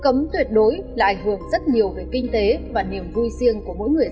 cấm tuyệt đối là ảnh hưởng rất nhiều về kinh tế và niềm vui riêng của mỗi người dân